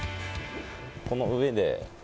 この上で。